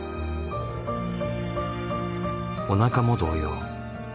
おなかも同様。